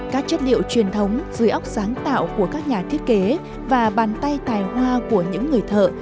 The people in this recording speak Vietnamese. các chất liệu truyền thống dưới ốc sáng tạo của các nhà thiết kế và bàn tay tài hoa của những người thợ